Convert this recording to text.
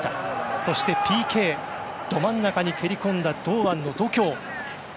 そしてＰＫ、ど真ん中に蹴り込んだ堂安の度胸。